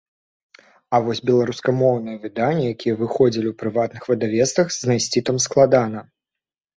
А вось беларускамоўныя выданні, якія выходзілі ў прыватных выдавецтвах, знайсці там складана.